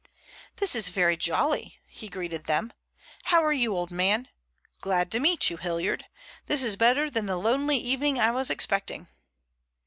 "This is very jolly," he greeted them. "How are you, old man? Glad to meet you, Hilliard. This is better than the lonely evening I was expecting."